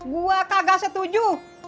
gue kagak setuju